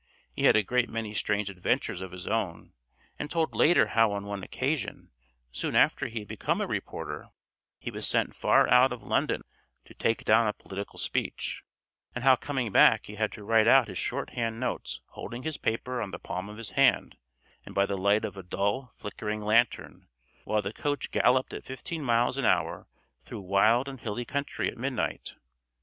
He had a great many strange adventures of his own, and told later how on one occasion soon after he had become a reporter, he was sent far out of London to take down a political speech, and how coming back he had to write out his short hand notes holding his paper on the palm of his hand, and by the light of a dull, flickering lantern, while the coach galloped at fifteen miles an hour through wild and hilly country at midnight.